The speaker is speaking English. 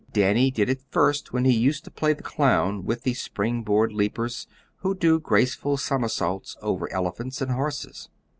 Danny did it first when he used to play the clown with the spring board leapers who do graceful somersaults over elephants and horses.